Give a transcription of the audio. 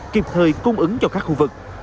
kịp thời cung ứng cho các khu vực